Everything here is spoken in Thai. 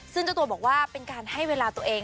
ซึ่งเจ้าตัวบอกว่าเป็นการให้เวลาตัวเอง